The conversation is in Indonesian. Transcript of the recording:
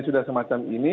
sudah semacam ini